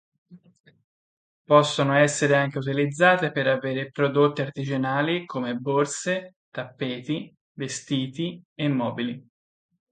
Possono essere anche utilizzate per avere prodotti artigianali come borse, tappeti, vestiti e mobili.